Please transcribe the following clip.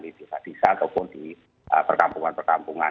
di desa desa ataupun di perkampungan perkampungan